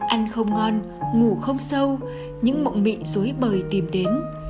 ăn không ngon ngủ không sâu những mộng bị dối bời tìm đến